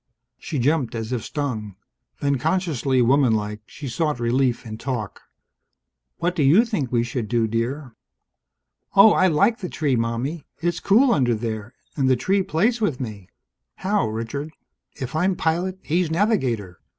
She jumped as if stung. Then, consciously womanlike, she sought relief in talk. "What do you think we should do, dear?" "Oh, I like the tree, Mommie. It's cool under there. And the tree plays with me." "How, Richard?" "If I'm pilot, he's navigator.